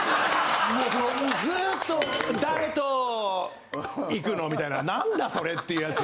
もうそのずっと「だれと」「いくの？」みたいな何だそれっていうやつ。